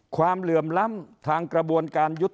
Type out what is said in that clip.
ความเหลื่อมล้ำทางกระบวนการยืน